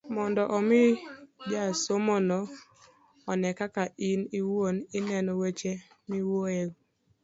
mondo omi jasomono one kaka in iwuon ineno weche miwuoyoe.